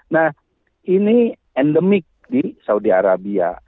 nah ini endemik di saudi arabia